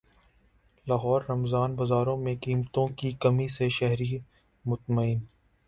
لاہور رمضان بازاروں میں قیمتوں کی کمی سے شہری مطمئین